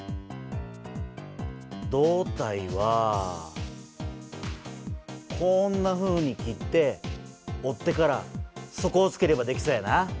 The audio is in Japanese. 胴体はこんなふうに切って折ってから底をつければできそうやな。